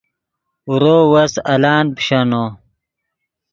اورو وس الان پیشینو